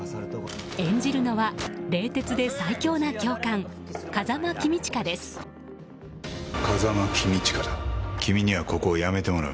演じるのは、冷徹で最恐の教官風間公親だ。